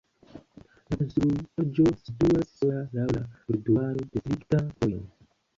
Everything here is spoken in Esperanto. La konstruaĵo situas sola laŭ la trotuaro de strikta vojo.